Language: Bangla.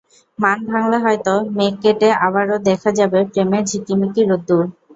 মান ভাঙলে হয়তো মেঘ কেটে আবারও দেখা দেবে প্রেমের ঝিকিমিকি রোদ্দুর।